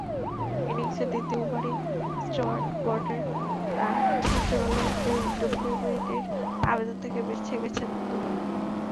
ইনিংসের দ্বিতীয় ওভারেই স্টুয়ার্ট ব্রডের জোরালো এলবিডব্লুর আবেদন থেকে বেঁচে গেছেন দুবার।